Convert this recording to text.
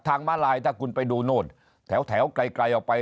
มาลายถ้าคุณไปดูโน่นแถวไกลออกไป